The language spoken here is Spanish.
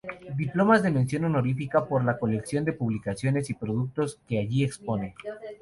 Diplomas de mención honorífica por la colección de publicaciones y productos que allí expone.